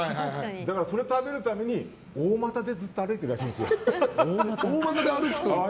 だからそれ食べるために大股でずっと歩いてるらしいんですよ。